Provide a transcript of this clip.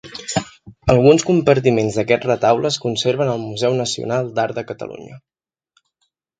Alguns compartiments d'aquest retaule es conserven al Museu Nacional d'Art de Catalunya.